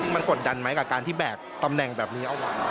มันกดดันไหมกับการที่แบกตำแหน่งแบบนี้เอาไว้